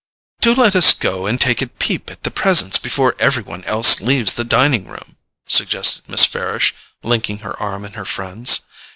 "Do let us go and take a peep at the presents before everyone else leaves the dining room!" suggested Miss Farish, linking her arm in her friend's.